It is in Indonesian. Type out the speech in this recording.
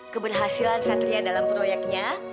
keberhasilan satria dalam proyeknya